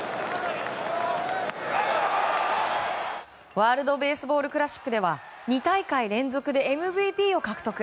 ワールド・ベースボール・クラシックでは２大会連続でＭＶＰを獲得。